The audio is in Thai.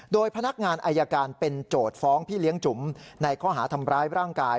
โดยพนักงานอายการเป็นโจทย์ฟ้องพี่เลี้ยงจุ๋มในข้อหาทำร้ายร่างกาย